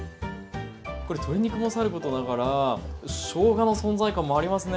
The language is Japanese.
これ鶏肉もさることながらしょうがの存在感もありますね！